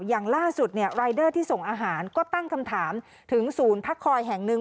อย่างล่าสุดรายเดอร์ที่ส่งอาหารก็ตั้งคำถามถึงศูนย์พักคอยแห่งหนึ่ง